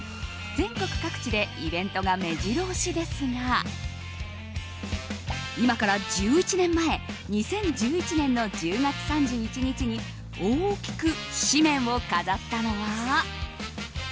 全国各地でイベントが目白押しですが今から１１年前２０１１年の１０月３１日に大きく紙面を飾ったのは。